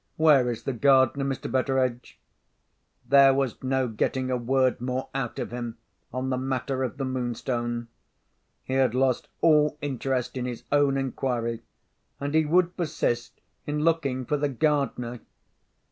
Where is the gardener, Mr. Betteredge?" There was no getting a word more out of him on the matter of the Moonstone. He had lost all interest in his own inquiry; and he would persist in looking for the gardener.